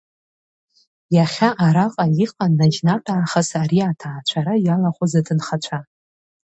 Иахьа араҟа иҟан наџьнатә аахыс ари аҭаацәара иалахәыз аҭынхацәа.